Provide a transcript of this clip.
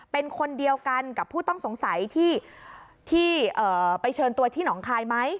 เป็นคนเดียวกันกับผู้ต้องสงสัยที่ไปเชิญตัวที่หนองคายไหม